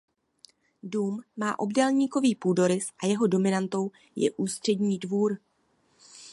Dům má obdélníkový půdorys a jeho dominantou je ústřední dvůr.